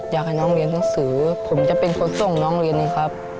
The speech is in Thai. อยากให้น้องเรียนหนังสือผมจะเป็นคนส่งน้องเรียนนะครับ